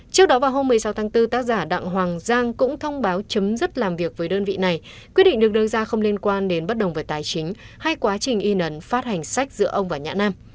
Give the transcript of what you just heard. trước đó vào hôm một mươi sáu tháng bốn tác giả đặng hoàng giang cũng thông báo chấm dứt làm việc với đơn vị này quyết định được đưa ra không liên quan đến bất đồng về tài chính hay quá trình in ấn phát hành sách giữa ông và nhã nam